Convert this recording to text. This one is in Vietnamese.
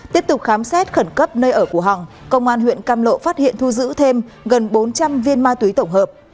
tiếp tục khám xét khẩn cấp nơi ở của hằng công an huyện cam lộ phát hiện thu giữ thêm gần bốn trăm linh viên ma túy tổng hợp